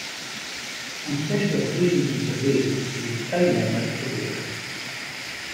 On special occasions and parades he would sign them out to wear.